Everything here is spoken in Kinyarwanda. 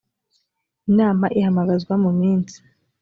inama ihamagazwa mu minsi.